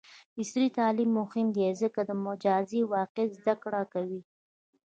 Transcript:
عصري تعلیم مهم دی ځکه چې د مجازی واقعیت زدکړه کوي.